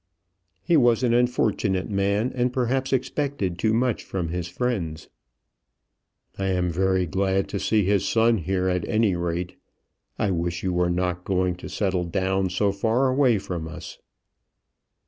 "He was an unfortunate man, and perhaps expected too much from his friends." "I am very glad to see his son here, at any rate. I wish you were not going to settle down so far away from us."